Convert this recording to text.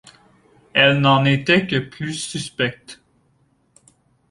Elle n’en était que plus suspecte.